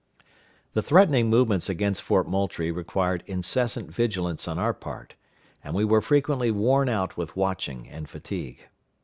The threatening movements against Fort Moultrie required incessant vigilance on our part, and we were frequently worn out with watching and fatigue.